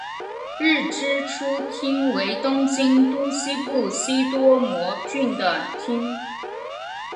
日之出町为东京都西部西多摩郡的町。